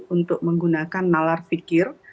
untuk menggunakan nalar fikir